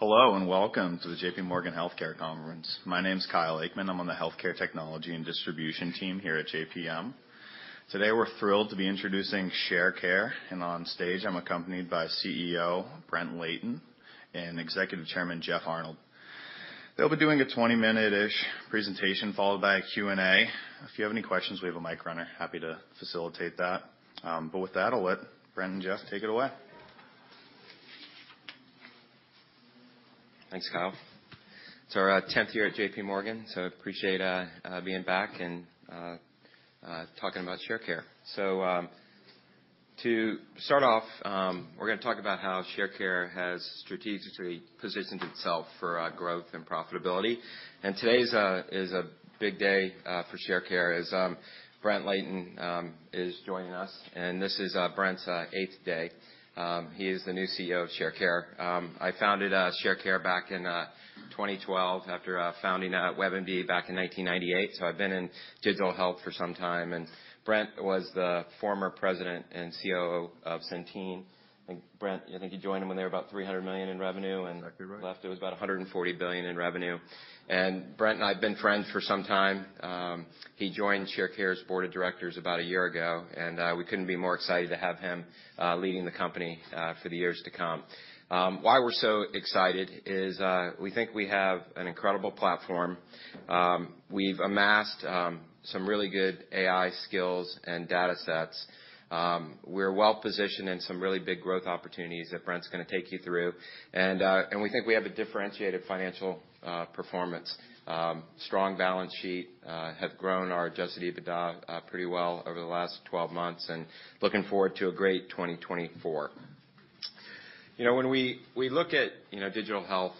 Hello, and welcome to the J.P. Morgan Healthcare Conference. My name is Kyle Aikman. I'm on the Healthcare Technology and Distribution team here at JPM. Today, we're thrilled to be introducing Sharecare, and on stage, I'm accompanied by CEO, Brent Layton, and Executive Chairman, Jeff Arnold. They'll be doing a 20-minute-ish presentation, followed by a Q&A. If you have any questions, we have a mic runner, happy to facilitate that. But with that, I'll let Brent and Jeff take it away. Thanks, Kyle. It's our 10th year at J.P. Morgan, so appreciate being back and talking about Sharecare. To start off, we're gonna talk about how Sharecare has strategically positioned itself for growth and profitability. And today's is a big day for Sharecare as Brent Layton is joining us, and this is Brent's 8th day. He is the new CEO of Sharecare. I founded Sharecare back in 2012 after founding WebMD back in 1998, so I've been in digital health for some time. And Brent was the former president and COO of Centene. And Brent, I think you joined them when they were about $300 million in revenue, and- Exactly right. left, it was about $140 billion in revenue. And Brent and I have been friends for some time. He joined Sharecare's board of directors about a year ago, and we couldn't be more excited to have him leading the company for the years to come. Why we're so excited is we think we have an incredible platform. We've amassed some really good AI skills and data sets. We're well positioned in some really big growth opportunities that Brent's gonna take you through. And and we think we have a differentiated financial performance, strong balance sheet, have grown our Adjusted EBITDA pretty well over the last 12 months, and looking forward to a great 2024. You know, when we look at, you know, digital health,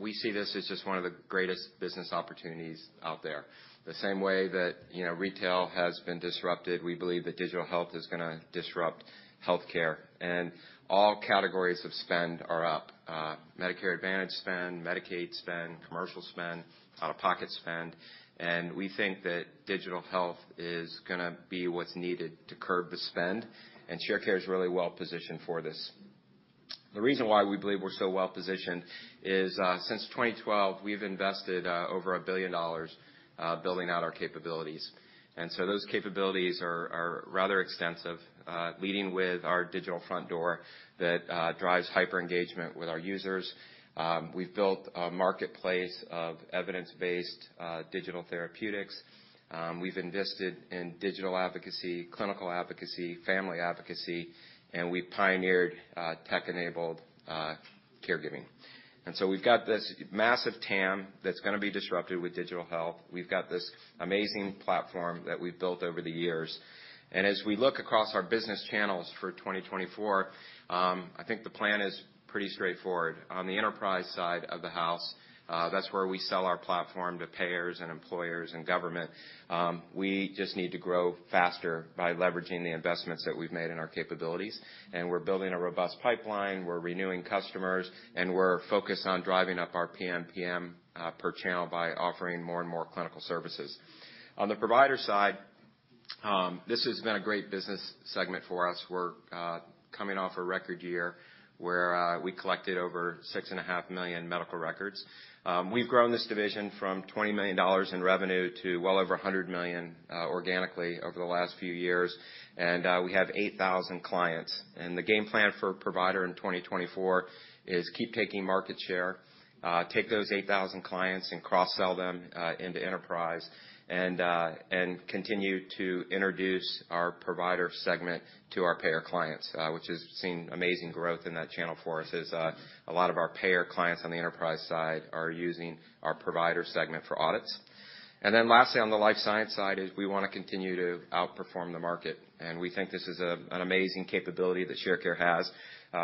we see this as just one of the greatest business opportunities out there. The same way that, you know, retail has been disrupted, we believe that digital health is gonna disrupt healthcare, and all categories of spend are up. Medicare Advantage spend, Medicaid spend, commercial spend, out-of-pocket spend, and we think that digital health is gonna be what's needed to curb the spend, and Sharecare is really well positioned for this. The reason why we believe we're so well positioned is, since 2012, we've invested over $1 billion building out our capabilities. And so those capabilities are rather extensive, leading with our Digital Front Door that drives hyper-engagement with our users. We've built a marketplace of evidence-based digital therapeutics. We've invested in digital advocacy, clinical advocacy, family advocacy, and we pioneered tech-enabled caregiving. So we've got this massive TAM that's gonna be disrupted with digital health. We've got this amazing platform that we've built over the years. As we look across our business channels for 2024, I think the plan is pretty straightforward. On the enterprise side of the house, that's where we sell our platform to payers and employers and government, we just need to grow faster by leveraging the investments that we've made in our capabilities. We're building a robust pipeline, we're renewing customers, and we're focused on driving up our PMPM per channel by offering more and more clinical services. On the provider side, this has been a great business segment for us. We're coming off a record year where we collected over 6.5 million medical records. We've grown this division from $20 million in revenue to well over $100 million organically over the last few years, and we have 8,000 clients. The game plan for provider in 2024 is keep taking market share, take those 8,000 clients and cross-sell them into enterprise, and continue to introduce our provider segment to our payer clients, which has seen amazing growth in that channel for us, as a lot of our payer clients on the enterprise side are using our provider segment for audits. Then lastly, on the life science side, we wanna continue to outperform the market, and we think this is an amazing capability that Sharecare has.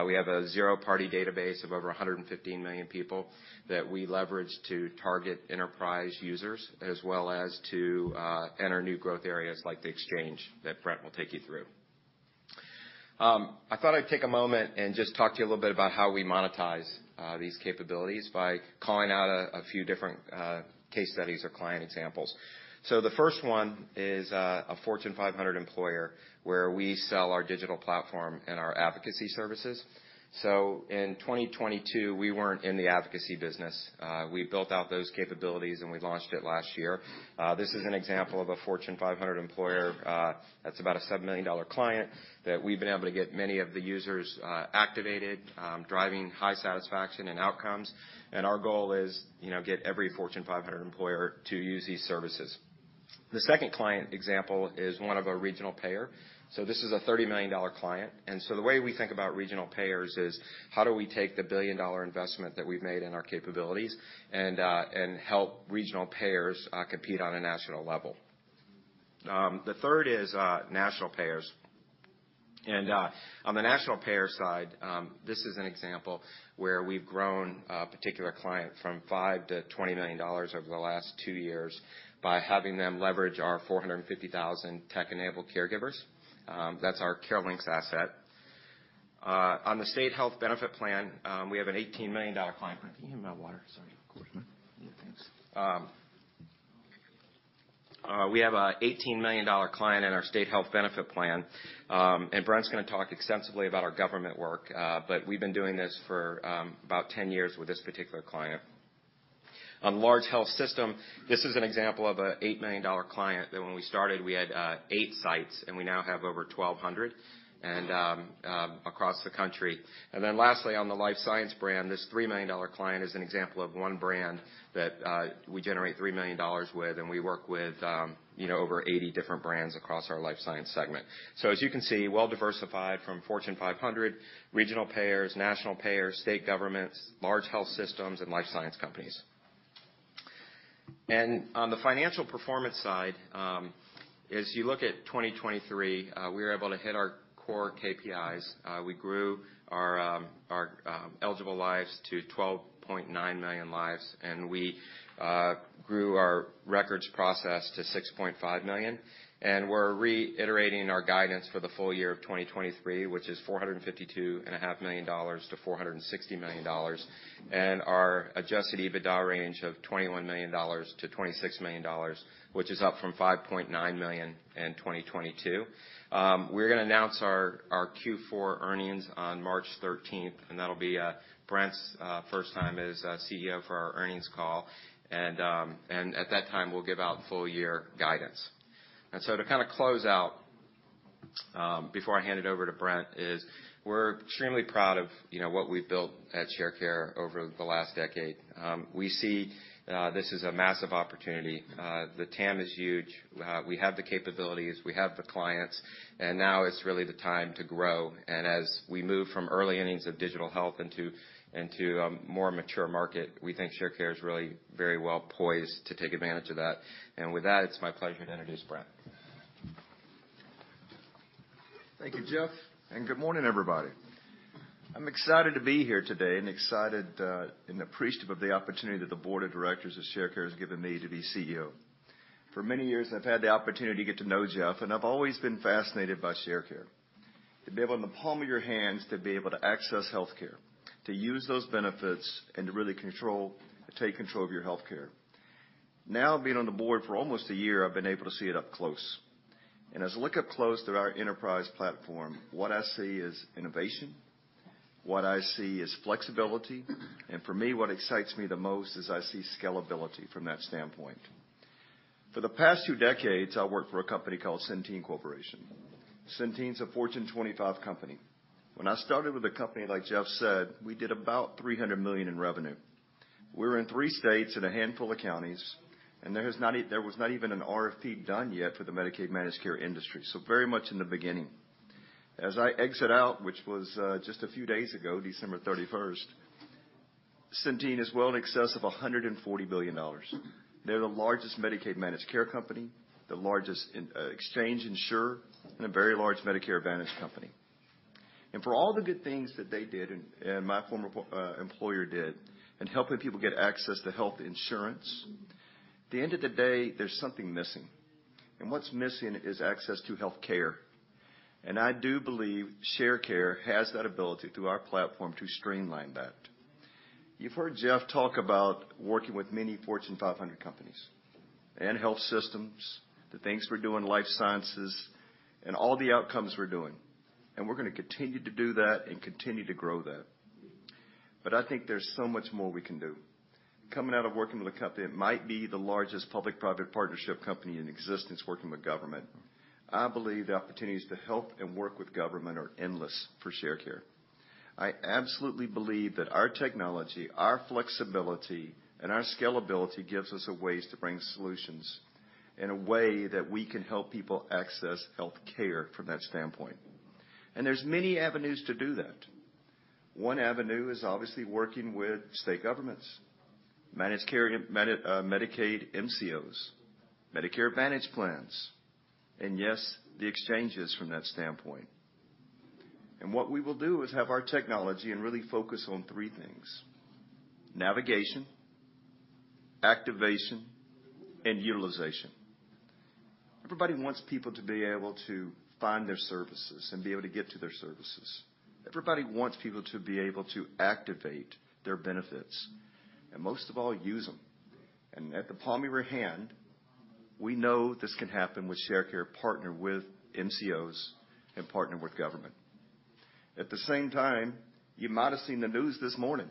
We have a zero-party database of over i15 million people that we leverage to target enterprise users, as well as to enter new growth areas like the exchange that Brent will take you through. I thought I'd take a moment and just talk to you a little bit about how we monetize these capabilities by calling out a few different case studies or client examples. So the first one is a Fortune 500 employer, where we sell our digital platform and our advocacy services. So in 2022, we weren't in the advocacy business. We built out those capabilities, and we launched it last year. This is an example of a Fortune 500 employer, that's about a $7 million client, that we've been able to get many of the users activated, driving high satisfaction and outcomes. Our goal is, you know, get every Fortune 500 employer to use these services. The second client example is one of our regional payer. So this is a $30 million client. And so the way we think about regional payers is, how do we take the billion-dollar investment that we've made in our capabilities and help regional payers compete on a national level? The third is national payers. On the national payer side, this is an example where we've grown a particular client from $5 million to $20 million over the last 2 years by having them leverage our 450,000 tech-enabled caregivers. That's our CareLinx asset. On the State Health Benefit Plan, we have an $18 million client. Can you hand me my water? Sorry. Of course. Yeah, thanks. We have a $18 million client in our State Health Benefit Plan. And Brent's gonna talk extensively about our government work, but we've been doing this for about 10 years with this particular client. On large health system, this is an example of a $8 million client, that when we started, we had 8 sites, and we now have over 1,200, and across the country. And then lastly, on the life science brand, this $3 million client is an example of one brand that we generate $3 million with, and we work with, you know, over 80 different brands across our life science segment. So as you can see, well-diversified from Fortune 500, regional payers, national payers, state governments, large health systems, and life science companies. On the financial performance side, as you look at 2023, we were able to hit our core KPIs. We grew our eligible lives to 12.9 million lives, and we grew our records processed to 6.5 million. We're reiterating our guidance for the full year of 2023, which is $452.5 million-460 million, and our Adjusted EBITDA range of $21 million-26 million, which is up from $5.9 million in 2022. We're gonna announce our Q4 earnings on March 13th, and that'll be Brent's first time as CEO for our earnings call. At that time, we'll give out full year guidance. And so to kind of close out, before I hand it over to Brent, is we're extremely proud of, you know, what we've built at Sharecare over the last decade. We see this as a massive opportunity. The TAM is huge. We have the capabilities, we have the clients, and now it's really the time to grow. And as we move from early innings of digital health into a more mature market, we think Sharecare is really very well poised to take advantage of that. And with that, it's my pleasure to introduce Brent. Thank you, Jeff, and good morning, everybody. I'm excited to be here today and excited, and appreciative of the opportunity that the board of directors of Sharecare has given me to be CEO. For many years, I've had the opportunity to get to know Jeff, and I've always been fascinated by Sharecare. To be able, in the palm of your hands, to be able to access healthcare, to use those benefits, and to really control, take control of your healthcare. Now, being on the board for almost a year, I've been able to see it up close. As I look up close through our enterprise platform, what I see is innovation, what I see is flexibility, and for me, what excites me the most is I see scalability from that standpoint. For the past 2 decades, I worked for a company called Centene Corporation. Centene is a Fortune 25 company. When I started with the company, like Jeff said, we did about $300 million in revenue. We were in three states and a handful of counties, and there was not even an RFP done yet for the Medicaid managed care industry, so very much in the beginning. As I exit out, which was just a few days ago, December 31st, Centene is well in excess of $140 billion. They're the largest Medicaid managed care company, the largest in Exchange insurer, and a very large Medicare Advantage company. And for all the good things that they did and my former employer did in helping people get access to health insurance, at the end of the day, there's something missing. What's missing is access to healthcare, and I do believe Sharecare has that ability, through our platform, to streamline that. You've heard Jeff talk about working with many Fortune 500 companies and health systems, the things we're doing in life sciences, and all the outcomes we're doing, and we're gonna continue to do that and continue to grow that. But I think there's so much more we can do. Coming out of working with a company that might be the largest public-private partnership company in existence, working with government, I believe the opportunities to help and work with government are endless for Sharecare. I absolutely believe that our technology, our flexibility, and our scalability gives us a ways to bring solutions in a way that we can help people access healthcare from that standpoint. And there's many avenues to do that. One avenue is obviously working with state governments, managed care and Medicaid MCOs, Medicare Advantage plans, and yes, the exchanges from that standpoint. And what we will do is have our technology and really focus on three things: navigation, activation, and utilization. Everybody wants people to be able to find their services and be able to get to their services. Everybody wants people to be able to activate their benefits, and most of all, use them. And at the palm of your hand, we know this can happen with Sharecare, partnered with MCOs and partnered with government. At the same time, you might have seen the news this morning,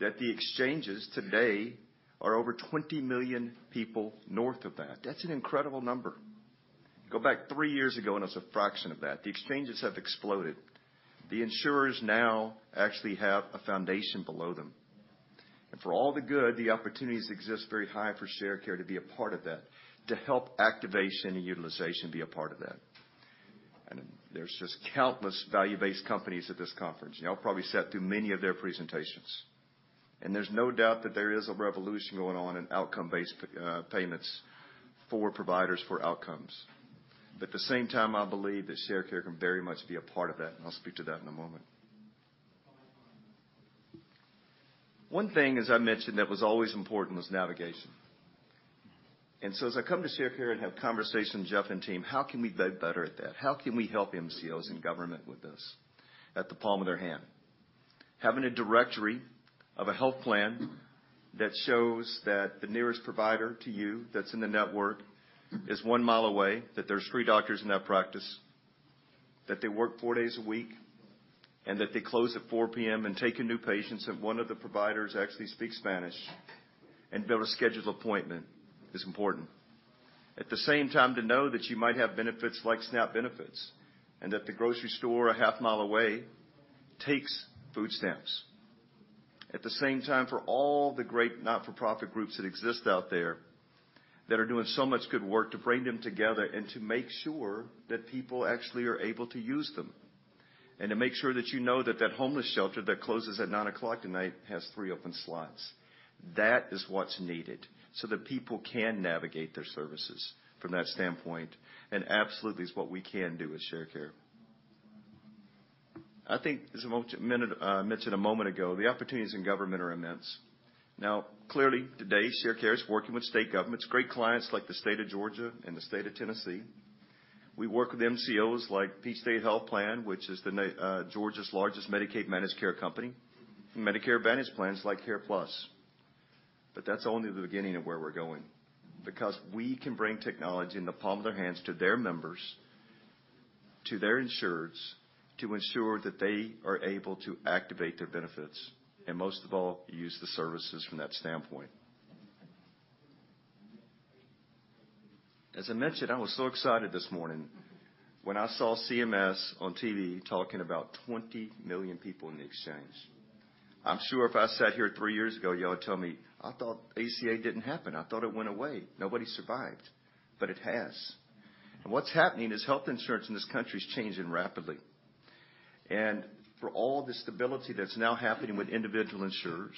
that the exchanges today are over 20 million people north of that. That's an incredible number. Go back three years ago, and it was a fraction of that. The exchanges have exploded. The insurers now actually have a foundation below them. And for all the good, the opportunities exist very high for Sharecare to be a part of that, to help activation and utilization be a part of that. And there's just countless value-based companies at this conference. Y'all probably sat through many of their presentations, and there's no doubt that there is a revolution going on in outcome-based payments for providers for outcomes. At the same time, I believe that Sharecare can very much be a part of that, and I'll speak to that in a moment. One thing, as I mentioned, that was always important, was navigation. And so as I come to Sharecare and have conversations, Jeff and team, how can we be better at that? How can we help MCOs and government with this at the palm of their hand? Having a directory of a health plan that shows that the nearest provider to you that's in the network is 1 mile away, that there's 3 doctors in that practice, that they work 4 days a week, and that they close at 4 P.M. and taking new patients, and one of the providers actually speaks Spanish, and be able to schedule an appointment is important. At the same time, to know that you might have benefits like SNAP benefits, and that the grocery store a half-mile away takes food stamps. At the same time, for all the great not-for-profit groups that exist out there that are doing so much good work, to bring them together and to make sure that people actually are able to use them, and to make sure that you know that that homeless shelter that closes at 9:00 P.M. tonight has 3 open slots. That is what's needed, so that people can navigate their services from that standpoint, and absolutely is what we can do as Sharecare. I think, as I mentioned a moment ago, the opportunities in government are immense. Now, clearly, today, Sharecare is working with state governments, great clients like the State of Georgia and the State of Tennessee. We work with MCOs like Peach State Health Plan, which is Georgia's largest Medicaid managed care company, Medicare Advantage plans like CarePlus. But that's only the beginning of where we're going, because we can bring technology in the palm of their hands to their members, to their insureds, to ensure that they are able to activate their benefits, and most of all, use the services from that standpoint. As I mentioned, I was so excited this morning when I saw CMS on TV talking about 20 million people in the exchange. I'm sure if I sat here three years ago, you all would tell me: "I thought ACA didn't happen. I thought it went away. Nobody survived." But it has. And what's happening is health insurance in this country is changing rapidly. And for all the stability that's now happening with individual insurers,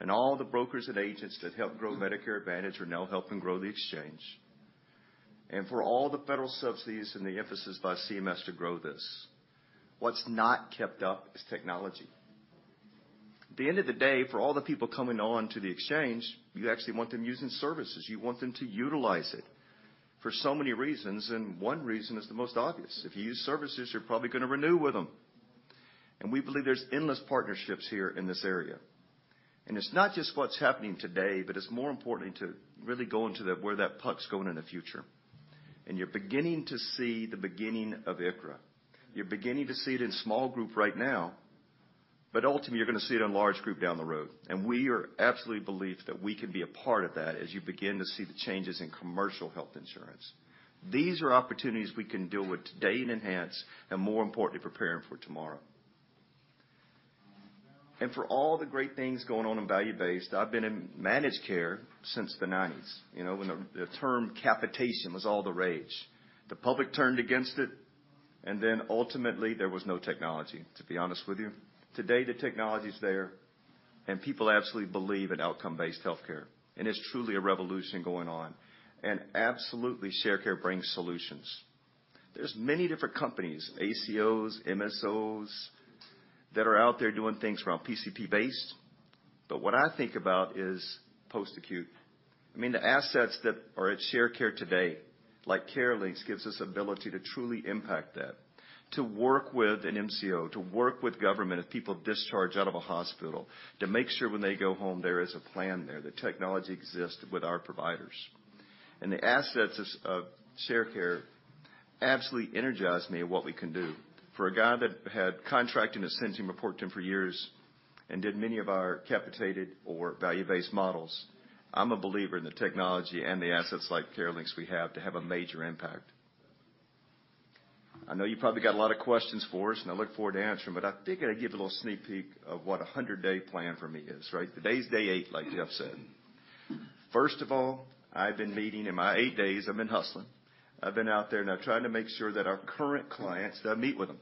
and all the brokers and agents that help grow Medicare Advantage are now helping grow the exchange, and for all the federal subsidies and the emphasis by CMS to grow this, what's not kept up is technology. At the end of the day, for all the people coming on to the exchange, you actually want them using services. You want them to utilize it for so many reasons, and one reason is the most obvious. If you use services, you're probably gonna renew with them. And we believe there's endless partnerships here in this area. And it's not just what's happening today, but it's more importantly to really go into the where that puck's going in the future. And you're beginning to see the beginning of ICHRA. You're beginning to see it in small group right now, but ultimately, you're gonna see it in large group down the road. And we are absolutely believed that we can be a part of that as you begin to see the changes in commercial health insurance. These are opportunities we can deal with today and enhance, and more importantly, preparing for tomorrow. And for all the great things going on in value-based, I've been in managed care since the 1990s, you know, when the, the term capitation was all the rage. The public turned against it, and then ultimately, there was no technology, to be honest with you. Today, the technology's there, and people absolutely believe in outcome-based healthcare, and it's truly a revolution going on. And absolutely, Sharecare brings solutions. There's many different companies, ACOs, MSOs, that are out there doing things around PCP-based, but what I think about is post-acute. I mean, the assets that are at Sharecare today, like CareLinx, gives us ability to truly impact that, to work with an MCO, to work with government, if people discharge out of a hospital, to make sure when they go home, there is a plan there, the technology exists with our providers. And the assets of Sharecare absolutely energize me of what we can do. For a guy that had contracted Ascension for years and did many of our capitated or value-based models, I'm a believer in the technology and the assets like CareLinx we have to have a major impact. I know you probably got a lot of questions for us, and I look forward to answering them, but I figured I'd give you a little sneak peek of what a 100-day plan for me is, right? Today is day eight, like Jeff said. First of all, I've been meeting... In my eight days, I've been hustling. I've been out there, and I've tried to make sure that our current clients, that I meet with them.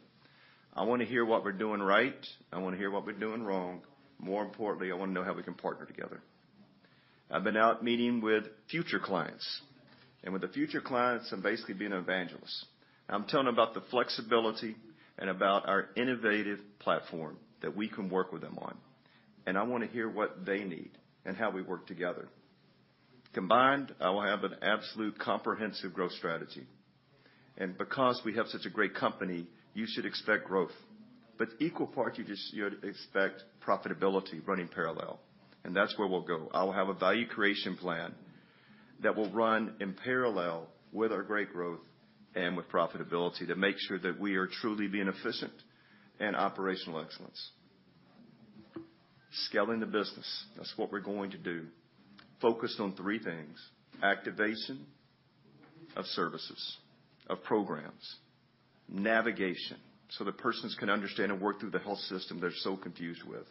I want to hear what we're doing right. I want to hear what we're doing wrong. More importantly, I want to know how we can partner together. I've been out meeting with future clients, and with the future clients, I'm basically being an evangelist. I'm telling them about the flexibility and about our innovative platform that we can work with them on. And I want to hear what they need and how we work together. Combined, I will have an absolute comprehensive growth strategy. And because we have such a great company, you should expect growth. But equal part, you just, you expect profitability running parallel, and that's where we'll go. I will have a value creation plan that will run in parallel with our great growth and with profitability to make sure that we are truly being efficient in operational excellence. Scaling the business, that's what we're going to do. Focused on three things: activation of services, of programs, navigation, so the persons can understand and work through the health system they're so confused with,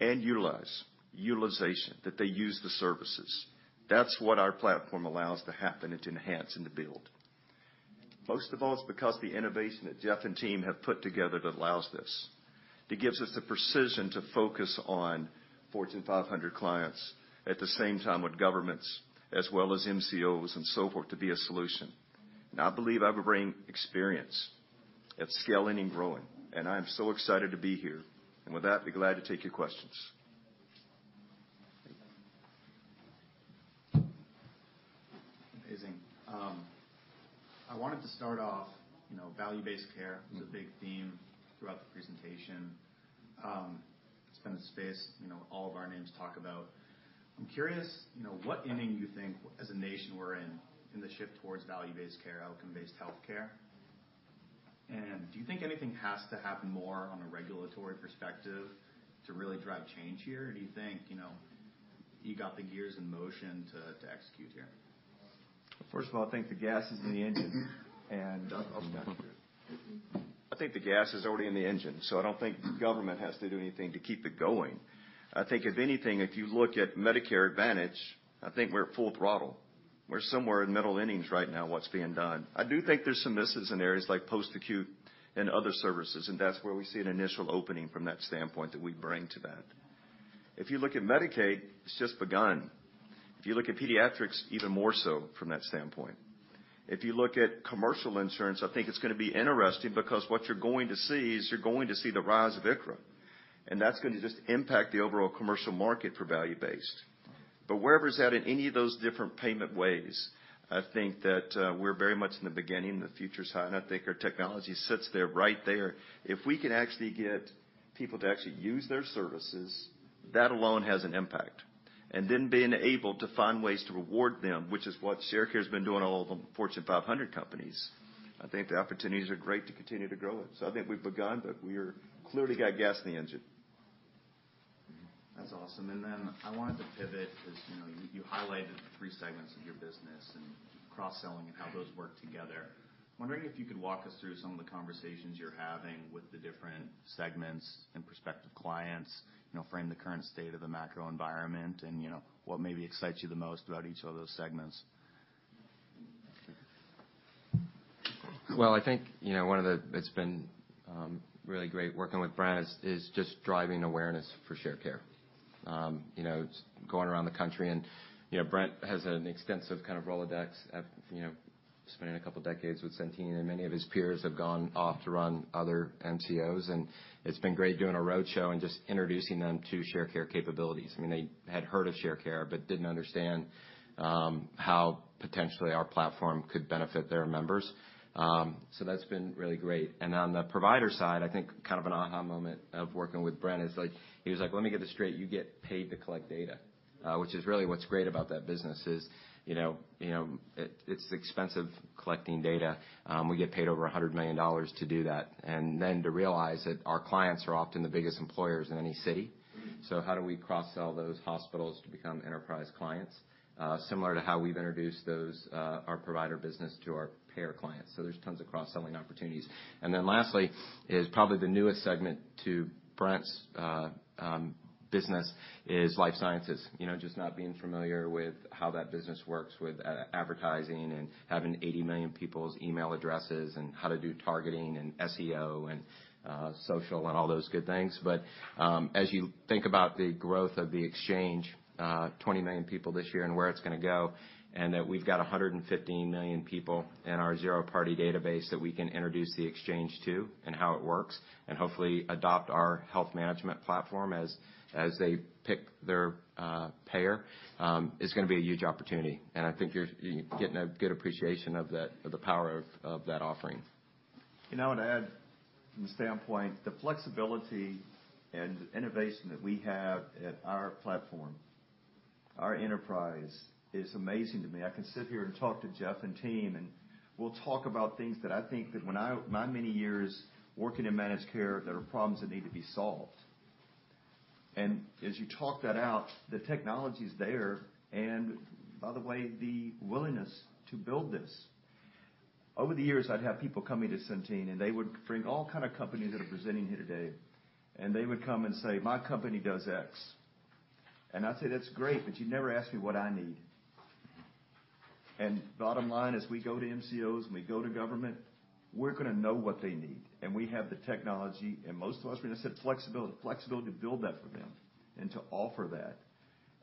and utilize, utilization, that they use the services. That's what our platform allows to happen, and to enhance, and to build. Most of all, it's because the innovation that Jeff and team have put together that allows this. It gives us the precision to focus on Fortune 500 clients at the same time with governments as well as MCOs and so forth, to be a solution. And I believe I will bring experience at scaling and growing, and I am so excited to be here. And with that, be glad to take your questions.... Amazing. I wanted to start off, you know, value-based care was a big theme throughout the presentation. It's been a space, you know, all of our names talk about. I'm curious, you know, what inning you think, as a nation we're in, in the shift towards value-based care, outcome-based healthcare? And do you think anything has to happen more on a regulatory perspective to really drive change here? Or do you think, you know, you got the gears in motion to execute here? First of all, I think the gas is in the engine, and- I'll start here. I think the gas is already in the engine, so I don't think government has to do anything to keep it going. I think, if anything, if you look at Medicare Advantage, I think we're at full throttle. We're somewhere in the middle innings right now, what's being done. I do think there's some misses in areas like post-acute and other services, and that's where we see an initial opening from that standpoint that we bring to that. If you look at Medicaid, it's just begun. If you look at pediatrics, even more so from that standpoint. If you look at commercial insurance, I think it's gonna be interesting because what you're going to see is, you're going to see the rise of ICHRA, and that's gonna just impact the overall commercial market for value-based. But wherever it's at, in any of those different payment ways, I think that, we're very much in the beginning, the future's high, and I think our technology sits there, right there. If we can actually get people to actually use their services, that alone has an impact. And then being able to find ways to reward them, which is what Sharecare has been doing, all of the Fortune 500 companies, I think the opportunities are great to continue to grow it. So I think we've begun, but we're clearly got gas in the engine. Mm-hmm. That's awesome. And then I wanted to pivot, 'cause, you know, you highlighted the three segments of your business and cross-selling and how those work together. I'm wondering if you could walk us through some of the conversations you're having with the different segments and prospective clients, you know, frame the current state of the macro environment and, you know, what maybe excites you the most about each of those segments. Well, I think, you know, one of the It's been really great working with Brent, is, is just driving awareness for Sharecare. You know, going around the country and, you know, Brent has an extensive kind of Rolodex of, you know, spending a couple decades with Centene, and many of his peers have gone off to run other MCOs, and it's been great doing a roadshow and just introducing them to Sharecare capabilities. I mean, they had heard of Sharecare, but didn't understand how potentially our platform could benefit their members. So that's been really great. On the provider side, I think kind of an aha moment of working with Brent is like, he was like: "Let me get this straight, you get paid to collect data?" which is really what's great about that business is, you know, you know, it, it's expensive collecting data. We get paid over $100 million to do that, and then to realize that our clients are often the biggest employers in any city. So how do we cross-sell those hospitals to become enterprise clients? Similar to how we've introduced those, our provider business to our payer clients, so there's tons of cross-selling opportunities. And then lastly, is probably the newest segment to Brent's business, is life sciences. You know, just not being familiar with how that business works with advertising, and having 80 million people's email addresses, and how to do targeting, and SEO and, social, and all those good things. But, as you think about the growth of the exchange, 20 million people this year, and where it's gonna go, and that we've got 115 million people in our zero party database that we can introduce the exchange to, and how it works, and hopefully adopt our health management platform as they pick their, payer, is gonna be a huge opportunity. And I think you're getting a good appreciation of that, of the power of that offering. I would add from the standpoint, the flexibility and innovation that we have at our platform, our enterprise, is amazing to me. I can sit here and talk to Jeff and team, and we'll talk about things that I think that when I... my many years working in managed care, there are problems that need to be solved. As you talk that out, the technology's there, and by the way, the willingness to build this. Over the years, I'd have people coming to Centene, and they would bring all kind of companies that are presenting here today, and they would come and say, "My company does X." And I'd say, "That's great, but you never asked me what I need." And bottom line is, we go to MCOs, and we go to government, we're gonna know what they need, and we have the technology, and most of us, we're gonna say, flexibility, flexibility to build that for them and to offer that.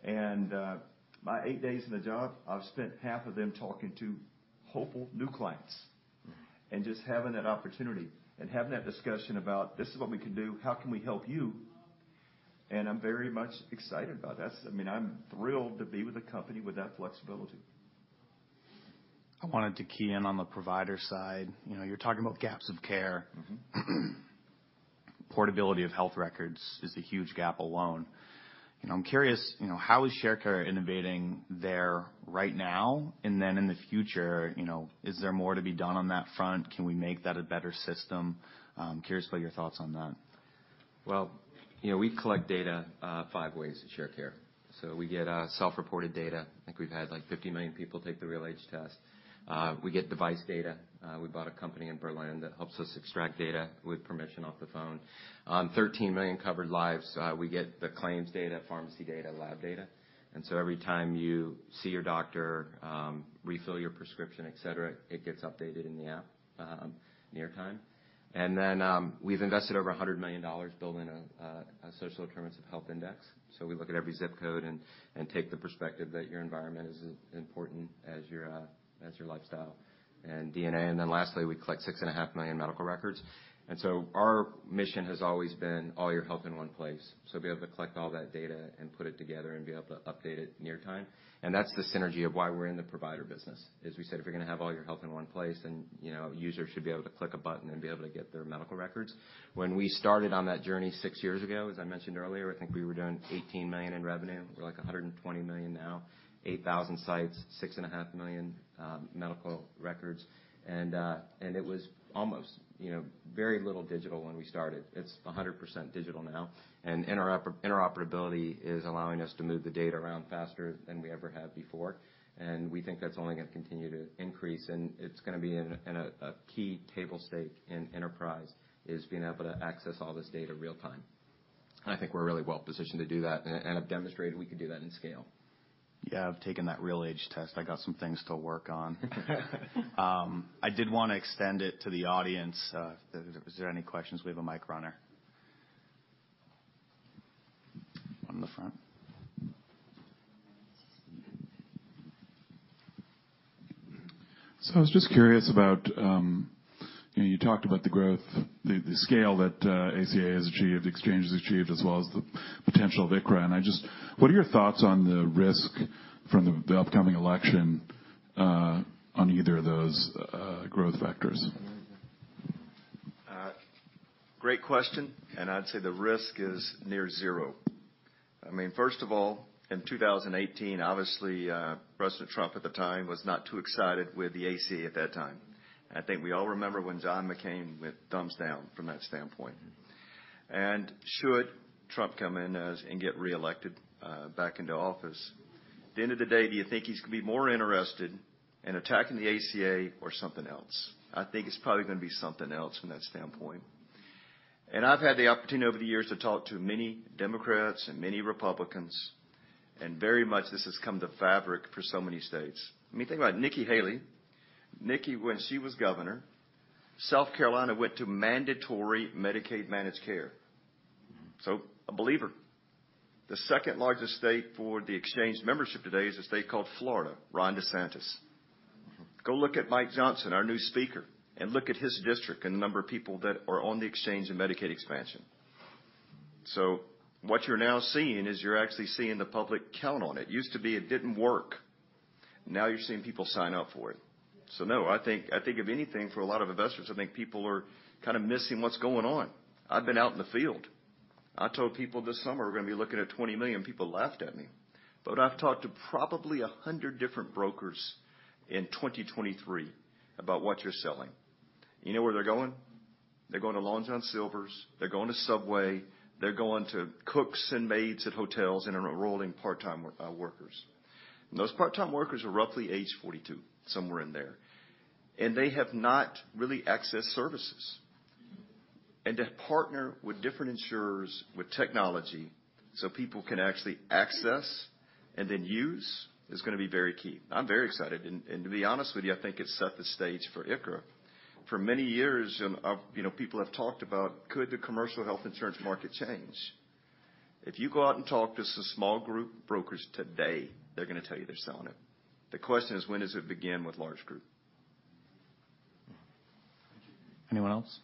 And, my eight days in the job, I've spent half of them talking to hopeful new clients, and just having that opportunity and having that discussion about: This is what we can do, how can we help you? And I'm very much excited about that. I mean, I'm thrilled to be with a company with that flexibility. I wanted to key in on the provider side. You know, you're talking about gaps of care. Mm-hmm. Portability of health records is a huge gap alone. You know, I'm curious, you know, how is Sharecare innovating there right now? And then in the future, you know, is there more to be done on that front? Can we make that a better system? Curious about your thoughts on that. Well, you know, we collect data five ways at Sharecare. So we get self-reported data. I think we've had, like, 50 million people take the real age Test. We get device data. We bought a company in Berlin that helps us extract data with permission off the phone. Thirteen million covered lives, we get the claims data, pharmacy data, lab data, and so every time you see your doctor, refill your prescription, et cetera, it gets updated in the app, near time. And then, we've invested over $100 million building a social determinants of health index. So we look at every zip code and take the perspective that your environment is as important as your lifestyle and DNA. And then lastly, we collect 6.5 million medical records. Our mission has always been, all your health in one place. Be able to collect all that data and put it together, and be able to update it near time. That's the synergy of why we're in the provider business. As we said: If you're gonna have all your health in one place, then, you know, users should be able to click a button and be able to get their medical records. When we started on that journey six years ago, as I mentioned earlier, I think we were doing $18 million in revenue. We're like $120 million now, 8,000 sites, 6.5 million medical records, and it was almost, you know, very little digital when we started. It's 100% digital now, and interoperability is allowing us to move the data around faster than we ever have before, and we think that's only going to continue to increase, and it's gonna be in a key table stake in enterprise, being able to access all this data real time. And I think we're really well positioned to do that, and have demonstrated we can do that in scale. Yeah, I've taken that RealAge Test. I got some things to work on. I did want to extend it to the audience, if there were any questions? We have a mic runner. One in the front. So I was just curious about, you know, you talked about the growth, the scale that ACA has achieved, Exchange has achieved, as well as the potential of ICHRA. And I just... What are your thoughts on the risk from the upcoming election on either of those growth vectors? Great question, and I'd say the risk is near zero. I mean, first of all, in 2018, obviously, President Trump at the time was not too excited with the ACA at that time. I think we all remember when John McCain went thumbs down from that standpoint. And should Trump come in as, and get reelected, back into office, at the end of the day, do you think he's going to be more interested in attacking the ACA or something else? I think it's probably going to be something else from that standpoint. And I've had the opportunity over the years to talk to many Democrats and many Republicans, and very much this has come to fabric for so many states. I mean, think about Nikki Haley. Nikki, when she was governor, South Carolina went to mandatory Medicaid managed care. Mm-hmm. So, a believer. The second largest state for the exchange membership today is a state called Florida, Ron DeSantis. Mm-hmm. Go look at Mike Johnson, our new Speaker, and look at his district and the number of people that are on the exchange in Medicaid expansion. So what you're now seeing is you're actually seeing the public count on it. Used to be it didn't work, now you're seeing people sign up for it. So no, I think, I think if anything, for a lot of investors, I think people are kind of missing what's going on. I've been out in the field. I told people this summer we're going to be looking at 20 million, people laughed at me, but I've talked to probably 100 different brokers in 2023 about what you're selling. You know where they're going? They're going to Long John Silver's, they're going to Subway, they're going to cooks and maids at hotels, and enrolling part-time workers. Those part-time workers are roughly age 42, somewhere in there, and they have not really accessed services. Mm-hmm. And to partner with different insurers, with technology, so people can actually access and then use, is going to be very key. I'm very excited, and to be honest with you, I think it set the stage for ICHRA. For many years, you know, people have talked about: Could the commercial health insurance market change? If you go out and talk to some small group brokers today, they're going to tell you they're selling it. The question is: When does it begin with large group? Mm-hmm. Anyone else?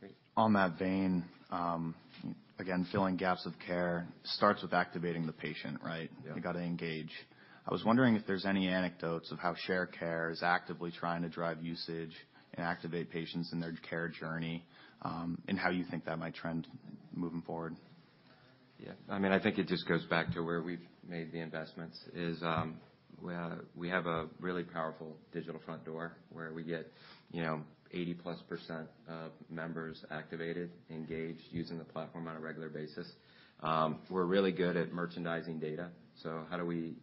Great. On that vein, again, filling gaps of care starts with activating the patient, right? Yeah. You got to engage. I was wondering if there's any anecdotes of how Sharecare is actively trying to drive usage and activate patients in their care journey, and how you think that might trend moving forward. Yeah, I mean, I think it just goes back to where we've made the investments is, we have a really powerful Digital Front Door, where we get, you know, 80%+ of members activated, engaged, using the platform on a regular basis. We're really good at merchandising data, so how do we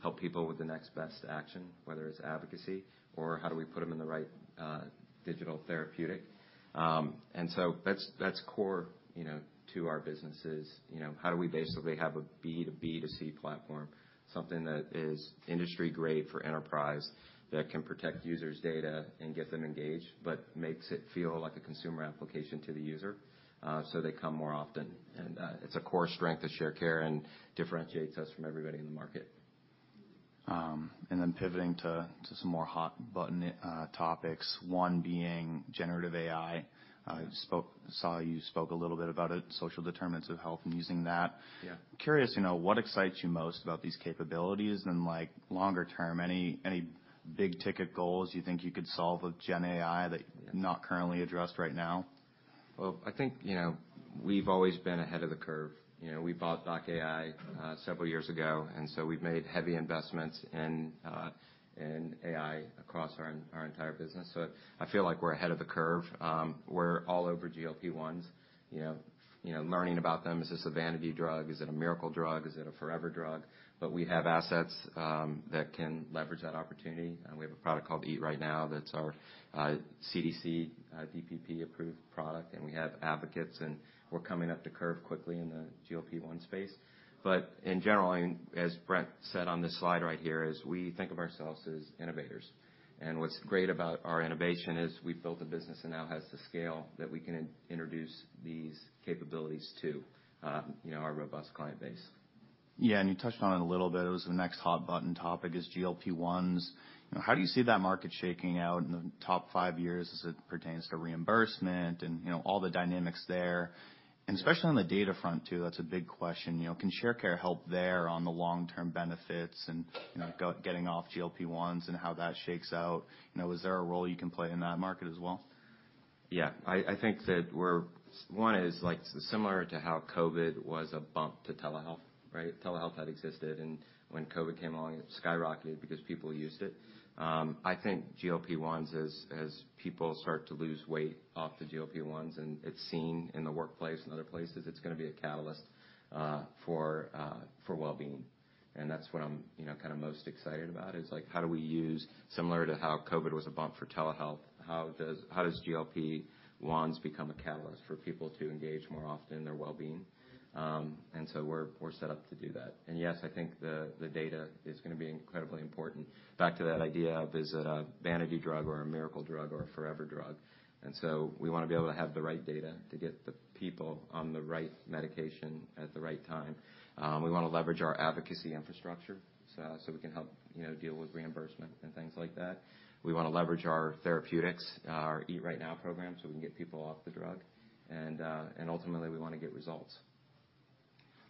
help people with the next best action, whether it's advocacy or how do we put them in the right digital therapeutic? And so that's core, you know, to our businesses. You know, how do we basically have a B-B-C platform, something that is industry-grade for enterprise, that can protect users' data and get them engaged, but makes it feel like a consumer application to the user, so they come more often? It's a core strength of Sharecare and differentiates us from everybody in the market. And then pivoting to some more hot-button topics, one being generative AI. You spoke. I saw you spoke a little bit about it, social determinants of health and using that. Yeah. Curious, you know, what excites you most about these capabilities? And, like, longer term, any big-ticket goals you think you could solve with gen AI that- Yeah You're not currently addressed right now? Well, I think, you know, we've always been ahead of the curve. You know, we bought doc.ai, several years ago, and so we've made heavy investments in, in AI across our, our entire business. So I feel like we're ahead of the curve. We're all over GLP-1s, you know, you know, learning about them. Is this a vanity drug? Is it a miracle drug? Is it a forever drug? But we have assets, that can leverage that opportunity, and we have a product called Eat Right Now, that's our, CDC, DPP-approved product, and we have advocates, and we're coming up to curve quickly in the GLP-1 space. But in general, and as Brent said on this slide right here, is we think of ourselves as innovators. What's great about our innovation is we've built a business that now has the scale that we can introduce these capabilities to, you know, our robust client base. Yeah, and you touched on it a little bit. It was the next hot-button topic, is GLP-1s. You know, how do you see that market shaking out in the top five years as it pertains to reimbursement and, you know, all the dynamics there? And especially on the data front, too, that's a big question. You know, can Sharecare help there on the long-term benefits and, you know, getting off GLP-1s and how that shakes out? You know, is there a role you can play in that market as well?... Yeah, I think that we're one is, like, similar to how COVID was a bump to telehealth, right? Telehealth had existed, and when COVID came along, it skyrocketed because people used it. I think GLP-1s, as people start to lose weight off the GLP-1s, and it's seen in the workplace and other places, it's gonna be a catalyst for wellbeing. And that's what I'm, you know, kind of most excited about, is like, how do we use, similar to how COVID was a bump for telehealth, how does GLP-1s become a catalyst for people to engage more often in their wellbeing? And so we're set up to do that. And yes, I think the data is gonna be incredibly important. Back to that idea of, is it a vanity drug or a miracle drug or a forever drug? So we wanna be able to have the right data to get the people on the right medication at the right time. We wanna leverage our advocacy infrastructure, so we can help, you know, deal with reimbursement and things like that. We wanna leverage our therapeutics, our Eat Right Now program, so we can get people off the drug, and ultimately, we wanna get results.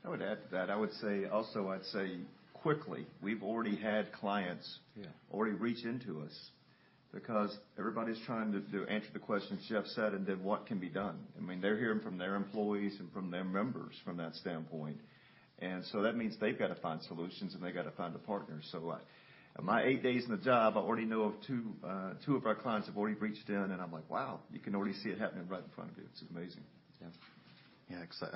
I would add to that. I would say, also, I'd say, quickly, we've already had clients- Yeah already reach out to us because everybody's trying to answer the questions Jeff said, and then what can be done? I mean, they're hearing from their employees and from their members from that standpoint. And so that means they've got to find solutions, and they've got to find a partner. So, in my eight days in the job, I already know of two of our clients have already reached out, and I'm like, "Wow, you can already see it happening right in front of you." It's amazing. Yeah. Yeah,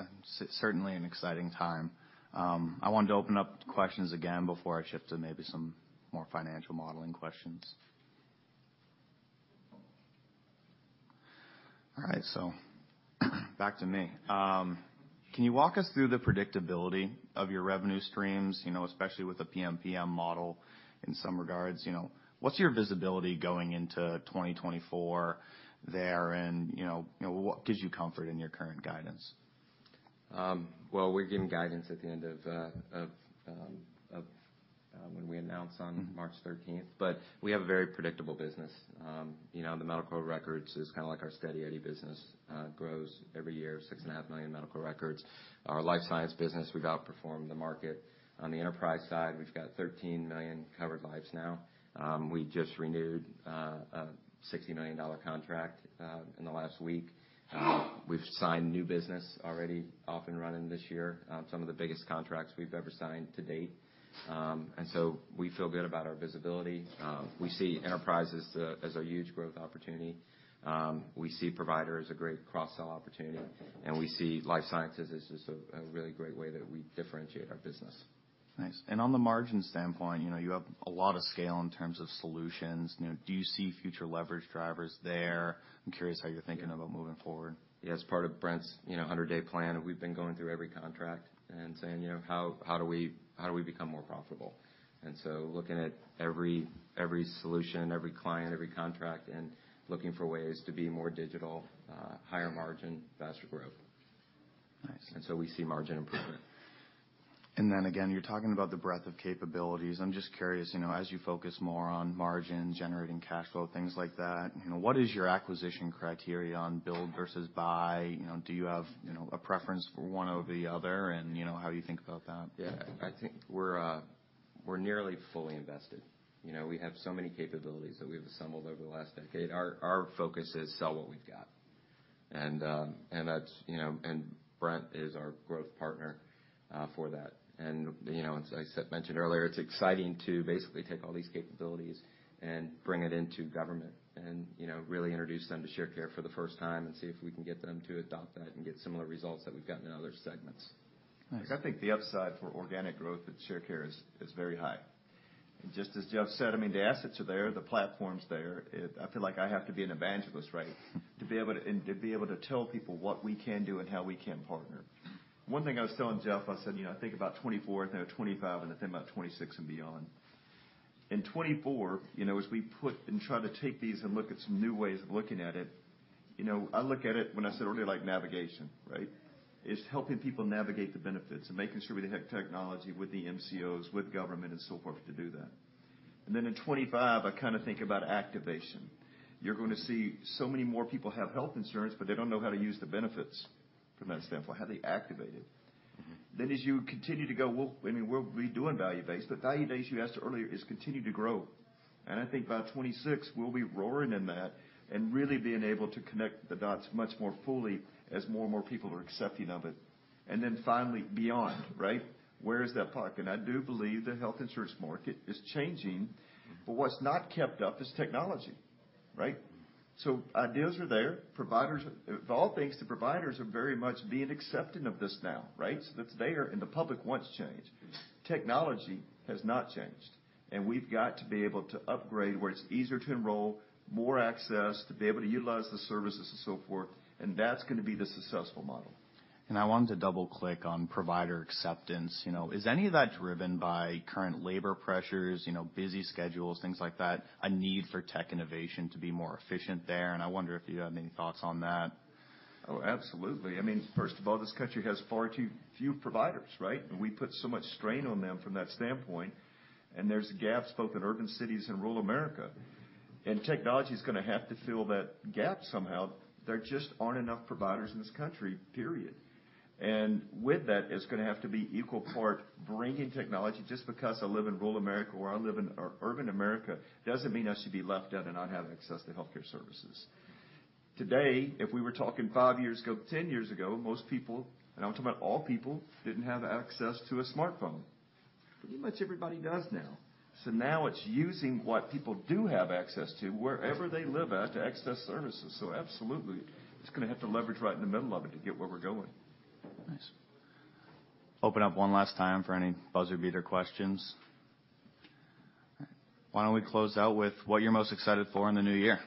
certainly an exciting time. I wanted to open up questions again before I shift to maybe some more financial modeling questions. All right, so back to me. Can you walk us through the predictability of your revenue streams, you know, especially with the PMPM model in some regards? You know, what's your visibility going into 2024 there, and, you know, you know, what gives you comfort in your current guidance? Well, we're giving guidance at the end of when we announce on March thirteenth. But we have a very predictable business. You know, the medical records is kind of like our steady Eddie business, grows every year, 6.5 million medical records. Our life science business, we've outperformed the market. On the enterprise side, we've got 13 million covered lives now. We just renewed a $60 million contract in the last week. We've signed new business already off and running this year, some of the biggest contracts we've ever signed to date. And so we feel good about our visibility. We see enterprise as a huge growth opportunity. We see provider as a great cross-sell opportunity, and we see life sciences as just a really great way that we differentiate our business. Nice. And on the margin standpoint, you know, you have a lot of scale in terms of solutions. You know, do you see future leverage drivers there? I'm curious how you're thinking about moving forward. Yeah, as part of Brent's, you know, 100-day plan, we've been going through every contract and saying, you know, "How do we become more profitable?" And so looking at every solution, every client, every contract, and looking for ways to be more digital, higher margin, faster growth. Nice. So we see margin improvement. And then again, you're talking about the breadth of capabilities. I'm just curious, you know, as you focus more on margin, generating cash flow, things like that, you know, what is your acquisition criteria on build versus buy? You know, do you have, you know, a preference for one over the other? And, you know, how do you think about that? Yeah. I think we're nearly fully invested. You know, we have so many capabilities that we've assembled over the last decade. Our focus is sell what we've got. And that's, you know. And Brent is our growth partner for that. And, you know, as I mentioned earlier, it's exciting to basically take all these capabilities and bring it into government and, you know, really introduce them to Sharecare for the first time and see if we can get them to adopt that and get similar results that we've gotten in other segments. Nice. I think the upside for organic growth at Sharecare is very high. And just as Jeff said, I mean, the assets are there, the platform's there. It I feel like I have to be an evangelist, right? To be able to, and to be able to tell people what we can do and how we can partner. One thing I was telling Jeff, I said, "You know, think about 24, think of 25, and then think about 26 and beyond." In 24, you know, as we put and try to take these and look at some new ways of looking at it, you know, I look at it, when I said earlier, like navigation, right? It's helping people navigate the benefits and making sure we have technology with the MCOs, with government, and so forth, to do that. And then in 25, I kind of think about activation. You're going to see so many more people have health insurance, but they don't know how to use the benefits from that standpoint. How do they activate it? Mm-hmm. Then, as you continue to go, well, I mean, we'll be doing value-based, but value-based, you asked earlier, is continuing to grow. And I think by 26, we'll be roaring in that and really being able to connect the dots much more fully as more and more people are accepting of it. And then finally, beyond, right, where is that pocket? I do believe the health insurance market is changing, but what's not kept up is technology, right? So ideas are there. Providers... Of all things, the providers are very much being accepting of this now, right? So it's there, and the public wants change. Technology has not changed, and we've got to be able to upgrade where it's easier to enroll, more access, to be able to utilize the services and so forth, and that's gonna be the successful model. I wanted to double-click on provider acceptance. You know, is any of that driven by current labor pressures, you know, busy schedules, things like that, a need for tech innovation to be more efficient there? I wonder if you have any thoughts on that. Oh, absolutely. I mean, first of all, this country has far too few providers, right? And we put so much strain on them from that standpoint, and there's gaps both in urban cities and rural America, and technology is gonna have to fill that gap somehow. There just aren't enough providers in this country, period. And with that, it's gonna have to be equal part bringing technology. Just because I live in rural America or I live in urban America, doesn't mean I should be left out and not have access to healthcare services. Today, if we were talking 5 years ago, 10 years ago, most people, and I'm talking about all people, didn't have access to a smartphone. Pretty much everybody does now. So now it's using what people do have access to, wherever they live at, to access services. Absolutely, it's gonna have to leverage right in the middle of it to get where we're going. Nice. Open up one last time for any buzzer-beater questions. Why don't we close out with what you're most excited for in the new year?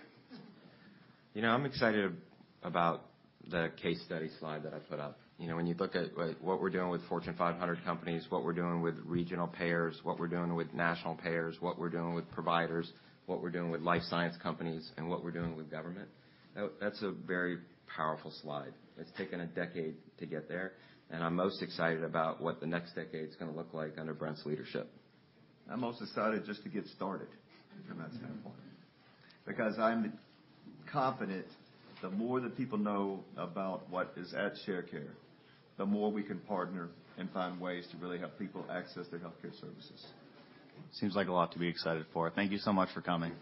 You know, I'm excited about the case study slide that I put up. You know, when you look at what we're doing with Fortune 500 companies, what we're doing with regional payers, what we're doing with national payers, what we're doing with providers, what we're doing with life science companies, and what we're doing with government, that's a very powerful slide. It's taken a decade to get there, and I'm most excited about what the next decade is gonna look like under Brent's leadership. I'm most excited just to get started from that standpoint, because I'm confident the more that people know about what is at Sharecare, the more we can partner and find ways to really help people access their healthcare services. Seems like a lot to be excited for. Thank you so much for coming.